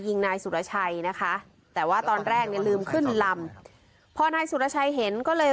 ยิงนายสุรชัยนะคะแต่ว่าตอนแรกเนี่ยลืมขึ้นลำพอนายสุรชัยเห็นก็เลย